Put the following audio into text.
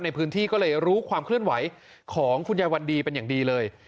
ในพื้นที่ก็เลยรู้ความเคลื่อนไหวของคุณยายวันดีเป็นอย่างดีเลย